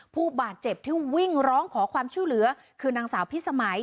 ผู้บาดเจ็บที่วิ่งร้องขอความช่วยเหลือคือนางสาวพิสมัย